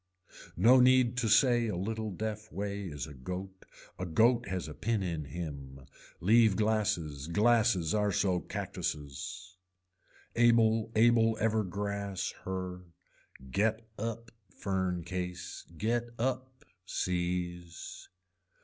No need to say a little deaf way is a goat, a goat has a pin in him. Leave glasses, glasses are so cactuses. Able able ever grass her, get up fern case, get up seize.